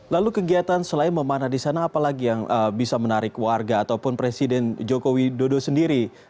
lalu kegiatan selain memanah di sana apalagi yang bisa menarik warga ataupun presiden joko widodo sendiri